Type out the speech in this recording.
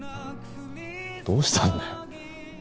どうしたんだよ。